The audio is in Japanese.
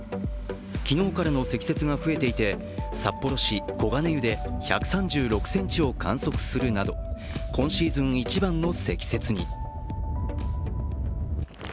昨日からの積雪が増えていて、札幌市小金湯で１３６ｃｍを観測するなど今シーズン一番の積雪に。